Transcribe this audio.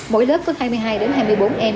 mỗi lớp có hai mươi hai đến hai mươi bốn em